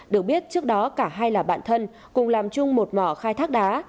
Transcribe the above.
được biết trước đó cả hai là bạn thân cùng làm chung một mỏ khai thác đá